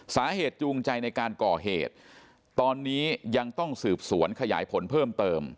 จูงใจในการก่อเหตุตอนนี้ยังต้องสืบสวนขยายผลเพิ่มเติม